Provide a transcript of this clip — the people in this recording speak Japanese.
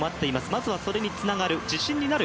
まずはそれにつながる自信になる